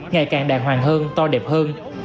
ngày càng đàng hoàng hơn to đẹp hơn